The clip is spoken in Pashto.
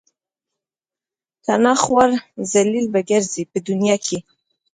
کنه خوار ذلیل به ګرځئ په دنیا کې.